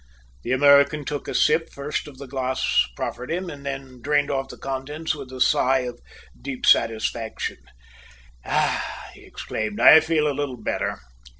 The American took a sip first at the glass proffered him, and then drained off the contents with a deep sigh of satisfaction. "Ah!" he exclaimed, "I feel a little better.